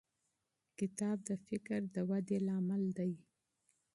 کتاب د فکر د ودې سبب دی.